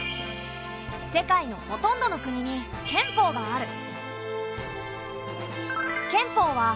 世界のほとんどの国に憲法がある。